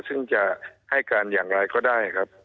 ซึ่งจะให้การอย่างไรก็ได้ครับ